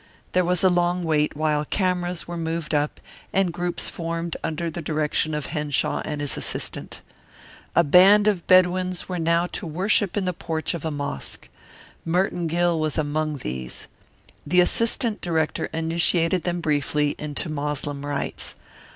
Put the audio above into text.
There was a long wait while cameras were moved up and groups formed under the direction of Henshaw and his assistant. A band of Bedouins were now to worship in the porch of a mosque. Merton Gill was among these. The assistant director initiated them briefly into Moslem rites.